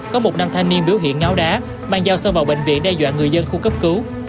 có một nam thanh niên biểu hiện ngáo đá mang dao xông vào bệnh viện đe dọa người dân khu cấp cứu